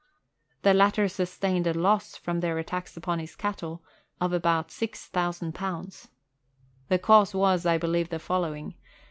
The latter sustained loss, from their attacks upon his cattle, of about 6,000. The cause was, I believe, the following.